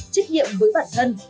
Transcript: trách nhiệm với bản thân